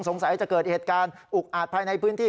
สงสัยจะเกิดเหตุการณ์อุกอาจภายในพื้นที่